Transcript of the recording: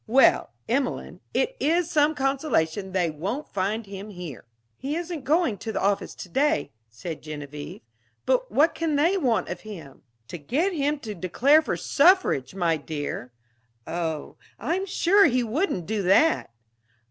Well, Emelene, it is some consolation that they won't find him there." "He isn't going to the office today," said Genevieve. "But what can they want of him?" "To get him to declare for suffrage, my dear." "Oh I'm sure he wouldn't do that!"